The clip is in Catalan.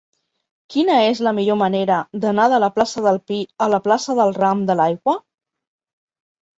Quina és la millor manera d'anar de la plaça del Pi a la plaça del Ram de l'Aigua?